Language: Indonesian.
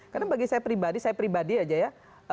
karena bagi saya pribadi saya pribadi aja ya